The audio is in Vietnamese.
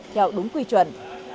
theo đúng quy chuẩn